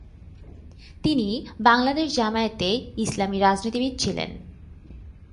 তিনি বাংলাদেশ জামায়াতে ইসলামীর রাজনীতিবিদ ছিলেন।